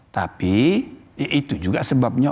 tapi itu juga sebabnya